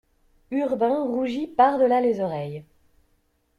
Urbain rougit par delà les oreilles.